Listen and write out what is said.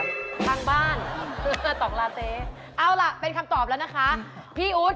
ตัวช่วยใช้ได้เลยนะพี่นะถ้าพี่ซับสน